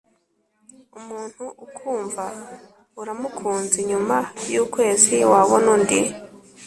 Umuntu ukumva uramukunze nyuma y ukwezi wabona undi